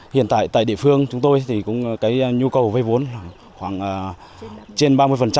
hiện tại tại địa phương chúng tôi thì cũng cái nhu cầu vay vốn khoảng trên ba mươi